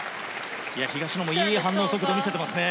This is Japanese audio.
東野もいい反応速度を見せてますね。